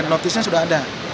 notisnya sudah ada